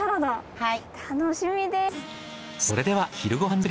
はい。